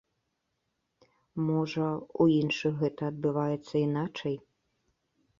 Можа, у іншых гэтае адбываецца іначай.